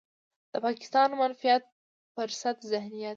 د پاکستان منفعت پرست ذهنيت.